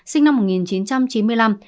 sinh năm một nghìn chín trăm chín mươi năm